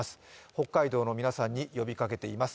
北海道の皆さんに呼びかけています。